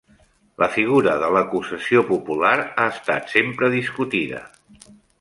La figura de l'acusació popular ha estat sempre discutida.